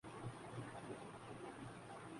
سوال یہ ہے کہ اس تعلق کو خطرات کب لاحق ہوتے ہیں؟